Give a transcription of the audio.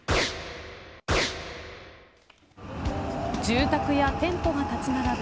住宅や店舗が立ち並ぶ